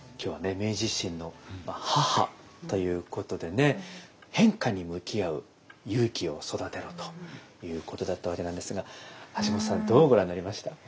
明治維新の母ということでね変化に向き合う勇気を育てろということだったわけなんですが橋本さんどうご覧になりました？